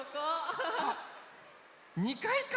あっ２かいか！